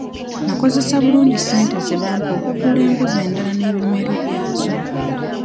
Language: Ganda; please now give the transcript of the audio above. Nakozesa bulungi ssente ze bampa okugula embuzi endala n'ebinywero byazo.